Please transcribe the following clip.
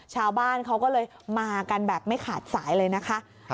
ชาวบ้านเขาก็เลยมากันแบบไม่ขาดสายเลยนะคะ